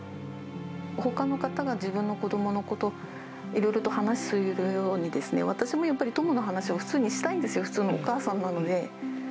ほかの方が自分の子どものことをいろいろと話しているように、私もやっぱり、トモの話を普通にしたいんですよ、普通のお母さんなので。